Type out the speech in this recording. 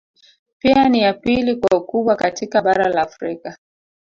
Pia ni ya pili kwa ukubwa katika Bara la Afrika